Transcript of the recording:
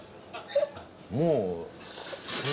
もう。